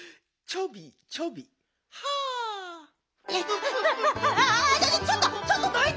ちょっとちょっとどいて！